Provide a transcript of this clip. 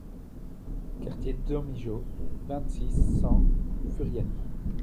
Quartier Domijo, vingt, six cents Furiani